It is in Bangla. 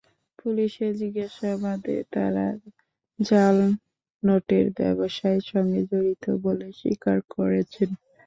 পুলিশের জিজ্ঞাসাবাদে তাঁরা জাল নোটের ব্যবসার সঙ্গে জড়িত বলে স্বীকার করেছেন।